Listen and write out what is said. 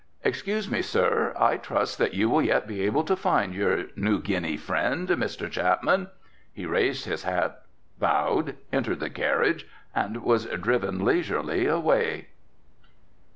Excuse me, sir, I trust that you will yet be able to find your New Guinea friend, Mr. Chapman." He raised his hat, bowed, entered the carriage and was driven leisurely away.